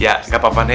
ya gak apa apa nek